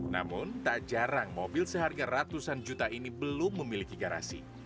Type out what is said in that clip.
namun tak jarang mobil seharga ratusan juta ini belum memiliki garasi